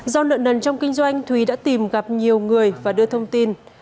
do lợn nần trong kinh doanh thủy đã tìm gặp nhiều người và đưa thông tin